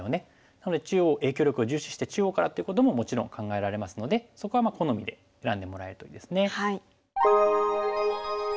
なので影響力を重視して中央からってことももちろん考えられますのでそこは好みで選んでもらえるといいですね。